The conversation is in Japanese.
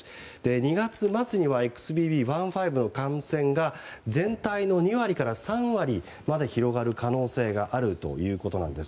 ２月末にはＸＢＢ．１．５の感染が全体の２割から３割まで広がる可能性があるということです。